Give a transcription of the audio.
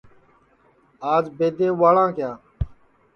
آج بئد اُٻاݪاں کیا